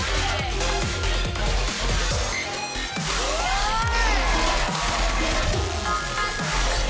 おい！